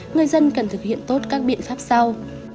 người dân cần thực hiện tốt các biện pháp sau